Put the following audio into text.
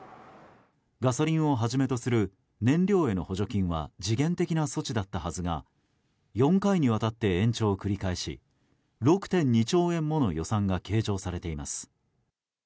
ガソリンをはじめとする燃料への補助金は時限的な措置だったはずが４回にわたって延長を繰り返し６．２兆円もの予算が計上されています。